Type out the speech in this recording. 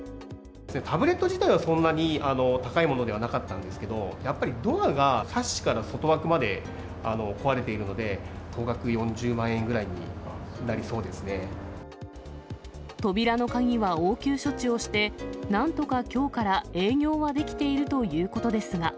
タブレット自体はそんなに高いものではなかったんですけど、やっぱりドアがサッシから外枠まで壊れているので、総額４０万円扉の鍵は応急処置をして、なんとかきょうから営業はできているということですが。